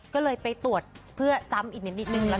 ก็เลยไปตรวจเพื่อซ้ำอีกนิดนึงละกัน